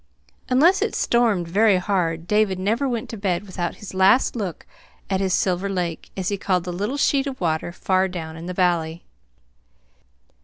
Unless it stormed very hard, David never went to bed without this last look at his "Silver Lake," as he called the little sheet of water far down in the valley.